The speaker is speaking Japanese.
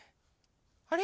あれ？